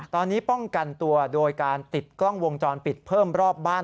ตอนนี้ป้องกันตัวโดยการติดกล้องวงจรปิดเพิ่มรอบบ้าน